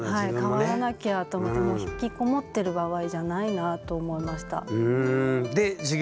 変わらなきゃと思ってもう引きこもってる場合じゃないなと思いました。